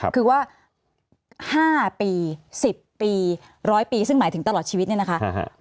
คือว่า๕ปี๑๐ปี๑๐๐ปีซึ่งหมายถึงตลอดชีวิตเนี่ยนะคะ